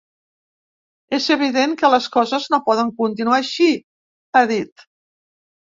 És evident que les coses no poden continuar així, ha dit.